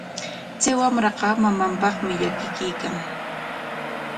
Chay wamraqa mamanpaqmi llakikuykan.